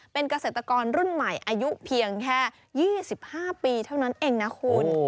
เป็นเกษตรกรรุ่นใหม่อายุเพียงแค่๒๕ปีเท่านั้นเองนะคุณ